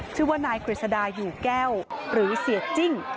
ชื่อว่านายกฤษดาอยู่แก้วหรือเสียจิ้ง